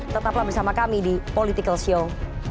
tetaplah bersama kami di political show